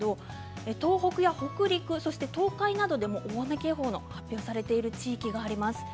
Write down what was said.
東北や北陸、東海などでも大雨警報が発表されている地域があります。